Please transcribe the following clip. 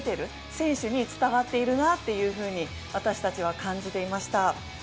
選手に伝わっているなって私たちは感じていました。